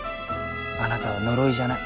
あなたは呪いじゃない。